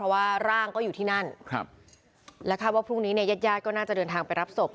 และค่ะว่าพรุ่งนี้ยาทก็น่าจะเดินทางไปรับศพ